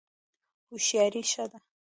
هوښیاري ښه ده.